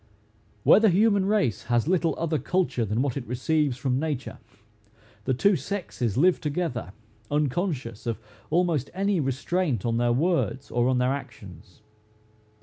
Where the human race has little other culture than what it receives from nature, the two sexes live together, unconscious of almost any restraint on their words or on their actions.